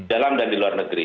dalam dan di luar negeri